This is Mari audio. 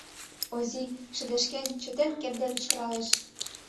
Озий, шыдешкен, чытен кертде кычкыралеш: